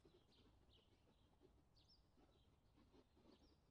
دنیا کے پستہ ترین مرد کھجیندرا تھاپا انتقال کر گئے